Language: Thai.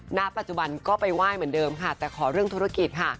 ณปัจจุบันก็ไปไหว้เหมือนเดิมค่ะแต่ขอเรื่องธุรกิจค่ะ